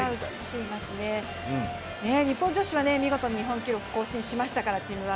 日本女子は見事に日本記録を更新しましたから。